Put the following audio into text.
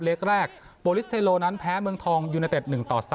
เล็กแรกโบลิสเทโลนั้นแพ้เมืองทองยูเนเต็ด๑ต่อ๓